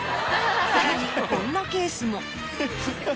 さらにこんなケースも。